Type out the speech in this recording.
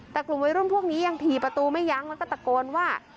แต่กลุ่มวัยรุ่นพวกนี้ยังถี่ประตูไม่ยั้งแล้วก็ตะโกนว่า